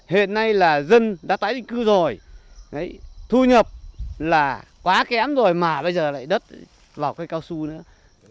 hiện nay là dân đã tái định cư rồi thu nhập là quá kém rồi mà bây giờ lại đất vào cây cao su nữa